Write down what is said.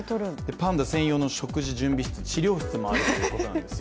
パンダ専用の食事準備室、治療室もあるということです。